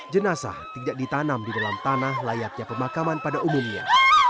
jenazah tidak ditanam di dalam tanah layaknya pemakaman pada umumnya